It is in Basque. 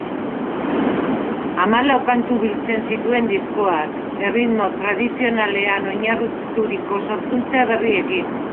Hamalau kantu biltzen zituen diskoak, erritmo tradizionalean oinarrituriko sorkuntza berriekin.